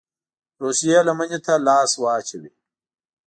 روسيې لمني ته لاس واچوي.